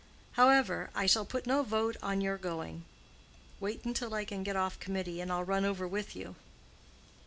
However, I shall put no veto on your going. Wait until I can get off Committee, and I'll run over with you."